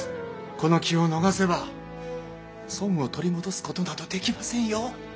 この機を逃せば損を取り戻すことなどできませんよ。